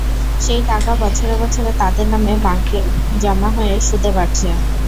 সেই টাকা বছরে বছরে তাঁদের নামে ব্যাঙ্কে জমা হয়ে সুদে বাড়ছে।